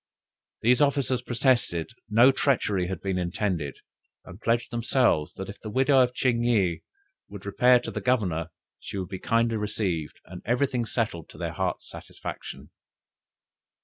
These officers protested no treachery had been intended, and pledged themselves, that if the widow of Ching yih would repair to the Governor, she would be kindly received, and every thing settled to their hearts' satisfaction.